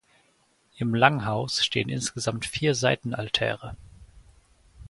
Im Langhaus stehen insgesamt vier Seitenaltäre.